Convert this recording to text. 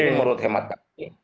jadi menurut hemat kami